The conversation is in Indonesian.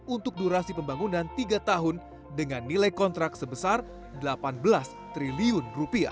untuk durasi pembangunan tiga tahun dengan nilai kontrak sebesar rp delapan belas triliun